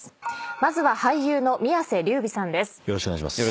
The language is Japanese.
まずは俳優の宮世琉弥さんです。